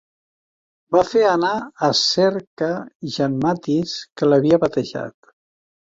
Va fer anar a cerca Jan Matthys, que l'havia batejat.